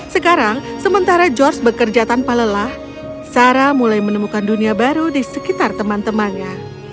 sekarang sementara george bekerja tanpa lelah sarah mulai menemukan dunia baru di sekitar teman temannya